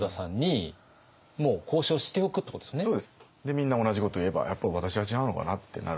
みんな同じこと言えば「やっぱり私が違うのかな？」ってなるんですよ。